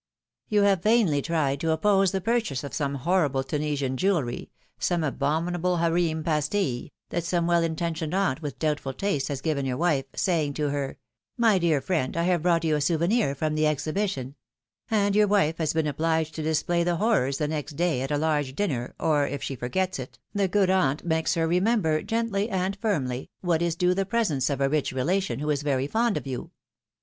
You have vainly tried to oppose the purchase of some horrible Tunisian jewelry, some abominable Hareem pastilles, that some well intentioned aunt with doubtful taste has given your wife, saying to her: ^^My dear friend, I have brought you a souvenir from the Exhibition and your wife has been obliged to display the horrors tlie next day at a large dinner, or, if she forgets it, the good aunt makes her remember, gently and firmly, what is due the presents of a rich relation who is very fond of you.